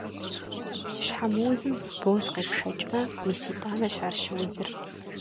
Щхьэмыузым боз къепшэкӀмэ, мис итӀанэщ ар щыузыр.